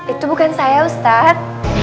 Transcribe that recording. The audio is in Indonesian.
itu bukan saya ustaz